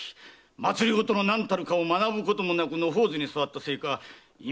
政の何たるかを学ぶこともなく野放図に育ったせいかい